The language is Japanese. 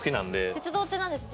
鉄道ってなんですか？